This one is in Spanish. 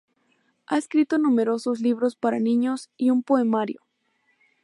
Ha escrito numerosos libros para niños y un poemario.